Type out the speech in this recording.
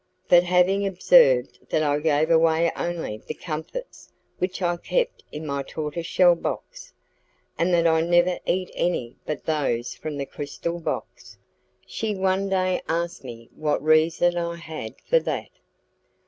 But having observed that I gave away only the comfits which I kept in my tortoise shell box, and that I never eat any but those from the crystal box, she one day asked me what reason I had for that.